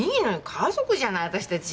家族じゃない私たち！